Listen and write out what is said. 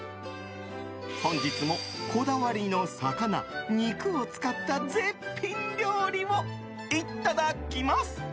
本日もこだわりの魚・肉を使った絶品料理をいただきます！